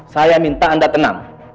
saya minta anda tenang